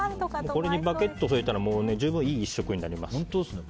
これにバゲットを添えたらいい１食になります。